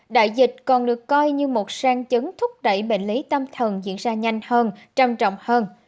đại dịch còn được coi như một sang chấn thúc đẩy bệnh lý tâm thần diễn ra nhanh hơn trầm trọng hơn